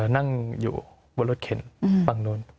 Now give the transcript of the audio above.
นั่งอยู่บนรถเข็นฝั่งนู้น